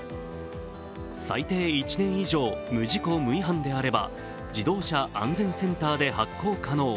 最低１年以上、無事故・無違反であれば自動車安全センターで発行可能。